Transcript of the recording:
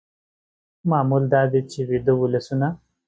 معمول دا دی چې ویده ولسونه